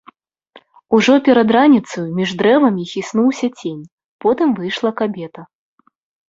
Ужо перад раніцаю між дрэвамі хіснуўся цень, потым выйшла кабета.